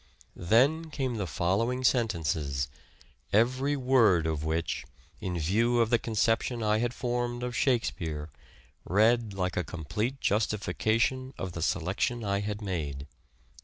Then came the following sentences, every word of which, in view of the conception I had formed of " Shakespeare," read like a complete justification of the selection I had made.